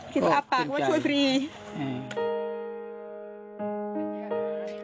คิดว่าอับปากว่าช่วยฟรี